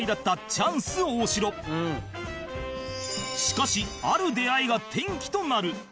しかしある出会いが転機となる